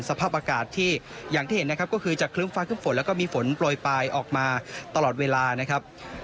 สภาพอากาศที่อย่างที่เห็นนะครับก็คือจะคลึ้มฟ้าครึ้มฝนแล้วก็มีฝนโปรยปลายออกมาตลอดเวลานะครับ